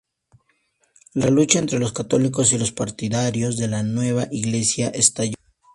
La lucha entre los católicos y los partidarios de la nueva iglesia estalló.